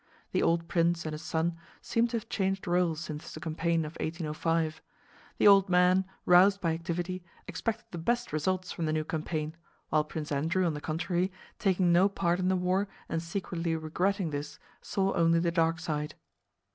The old prince and his son seemed to have changed roles since the campaign of 1805. The old man, roused by activity, expected the best results from the new campaign, while Prince Andrew on the contrary, taking no part in the war and secretly regretting this, saw only the dark side.